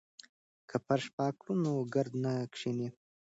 که فرش پاک کړو نو ګرد نه کښیني.